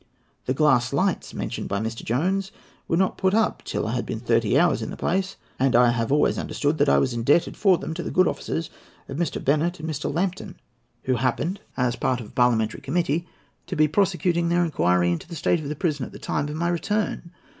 The 'glazed lights' mentioned by Mr. Jones were not put up till I had been thirty hours in the place, and I have always understood that I was indebted for them to the good offices of Mr. Bennet and Mr. Lambton, who happened [as part of a Parliamentary Committee] to be prosecuting their inquiry into the state of the prison at the time of my return.